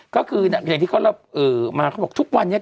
ก็คืออย่างที่เขามาเขาบอกทุกวันนี้